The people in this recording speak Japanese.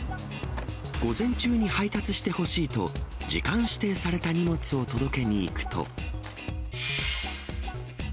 午前中に配達してほしいと時間指定された荷物を届けに行くと。